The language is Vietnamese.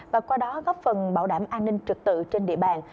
và qua đó góp phần bảo đảm an ninh trực tự trên địa bàn